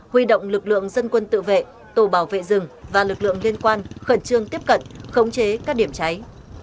huy động lực lượng dân quân tự vệ tổ bảo vệ rừng và lực lượng liên quan khẩn trương tiếp cận khống chế các điểm cháy